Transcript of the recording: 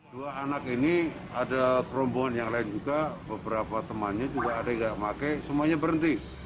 dua anak ini ada rombongan yang lain juga beberapa temannya juga ada yang nggak pakai semuanya berhenti